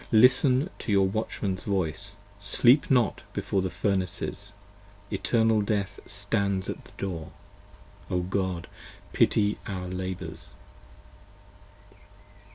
Listen to your Watchmans voice: sleep not before the Furnaces: 65 Eternal Death stands at the door. O God, pity our labours.